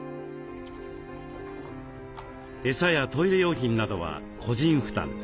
餌やトイレ用品などは個人負担。